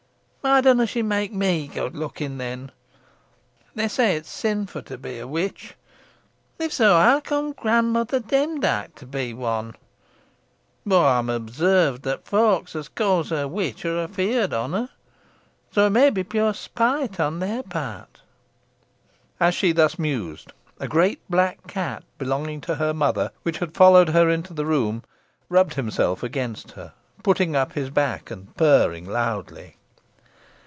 Why dunna she make me good looking, then? They say it's sinfu' to be a witch if so, how comes grandmother Demdike to be one? Boh ey'n observed that those folks os caws her witch are afeard on her, so it may be pure spite o' their pert." As she thus mused, a great black cat belonging to her mother, which had followed her into the room, rubbed himself against her, putting up his back, and purring loudly.